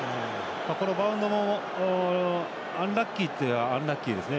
バウンドもアンラッキーといえばアンラッキーですね。